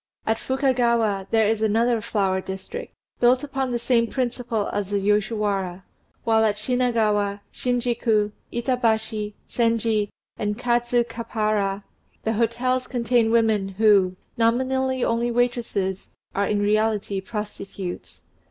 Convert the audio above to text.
At Fukagawa there is another Flower District, built upon the same principle as the Yoshiwara; while at Shinagawa, Shinjiku, Itabashi, Senji, and Kadzukappara, the hotels contain women who, nominally only waitresses, are in reality prostitutes.